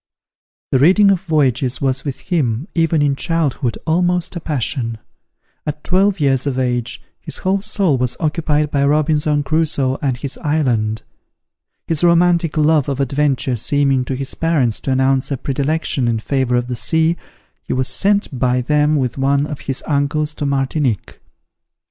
The reading of voyages was with him, even in childhood, almost a passion. At twelve years of age, his whole soul was occupied by Robinson Crusoe and his island. His romantic love of adventure seeming to his parents to announce a predilection in favour of the sea, he was sent by them with one of his uncles to Martinique.